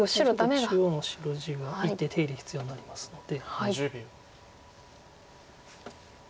ちょっと中央の白地が１手手入れ必要になりますので。